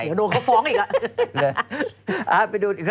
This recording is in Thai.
อยากโดนเขาฟ้องอีกอะ